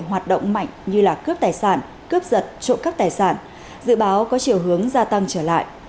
hoạt động mạnh như cướp tài sản cướp giật trộm cắp tài sản dự báo có chiều hướng gia tăng trở lại